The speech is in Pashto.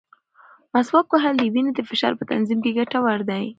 مسواک وهل د وینې د فشار په تنظیم کې ګټور دی.